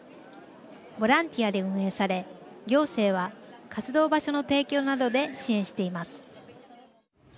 ボランティアで運営され行政は、活動場所の提供などで支援しています。